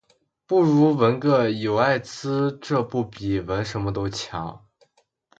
不如纹个“有艾滋”这不比纹什么都强